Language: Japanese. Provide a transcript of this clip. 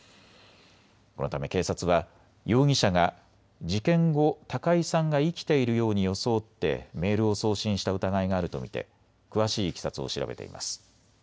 このため警察は容疑者が事件後高井さんが生きているように装ってメールを送信した疑いがあると見て詳しいいきさつを調べています。